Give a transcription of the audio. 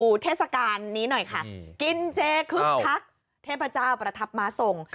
อุทธิสการนี้หน่อยค่ะกิณเจคฮักเทพเจ้าประทับมาส่ง